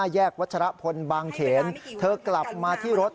แยกวัชรพลบางเขนเธอกลับมาที่รถ